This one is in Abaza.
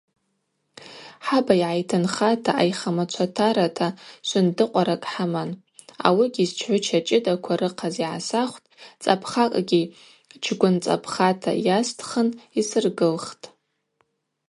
Хӏаба йгӏайтынхата айхамачватарата швындыкъваракӏ хӏыман, ауыгьи счгӏвыча чӏыдаква рыхъаз йгӏасахвтӏ, цӏапхакӏгьи чгвынцӏапхата йастхын йсыргылхтӏ.